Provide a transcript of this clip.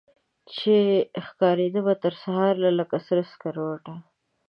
چي ښکاریده به ترسهاره لکه سره سکروټه